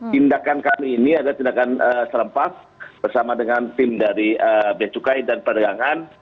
tindakan kami ini adalah tindakan serempak bersama dengan tim dari bea cukai dan perdagangan